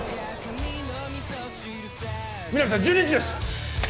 皆実さん１２時です！